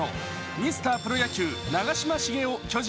ミスタープロ野球、長嶋茂雄巨人